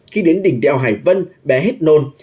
khi đến đỉnh đèo hải vân bé hết nôn